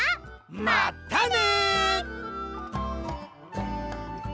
まったね！